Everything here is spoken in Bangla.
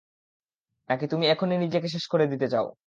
নাকি তুমি এখনই নিজেকে শেষ করে দিতে চাও?